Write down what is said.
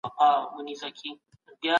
دا ژبه تر هغي بلي ډېره پخوانی ده.